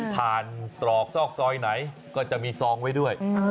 ตรอกซอกซอยไหนก็จะมีซองไว้ด้วย